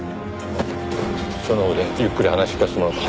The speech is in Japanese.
署のほうでゆっくり話聞かせてもらおうか。